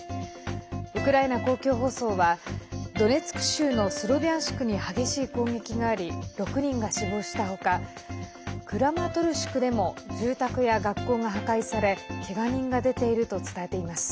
ウクライナ公共放送はドネツク州のスロビャンシクに激しい攻撃があり６人が死亡したほかクラマトルシクでも住宅や学校が破壊されけが人が出ていると伝えています。